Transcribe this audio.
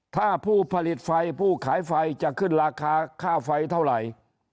ถ้าผู้ผลิตไฟผู้ขายไฟจะขึ้นราคาค่าไฟเท่าไหร่